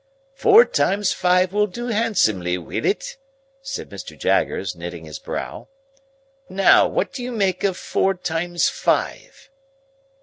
"Four times five will do handsomely, will it?" said Mr. Jaggers, knitting his brows. "Now, what do you make of four times five?"